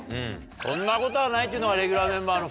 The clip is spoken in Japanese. そんなことはないっていうのがレギュラーメンバーの２人。